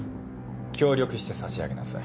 協力してさしあげなさい。